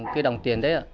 cái đồng tiền đấy ạ